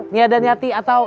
nia dan yati atau